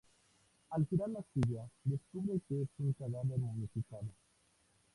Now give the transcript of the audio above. Al girar la silla, descubre que es un cadáver momificado.